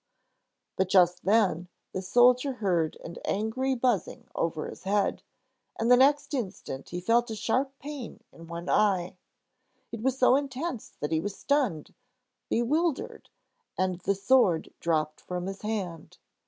But just then the soldier heard an angry buzzing over his head, and the next instant he felt a sharp pain in one eye. It was so intense that he was stunned, bewildered, and the sword dropped from his hand.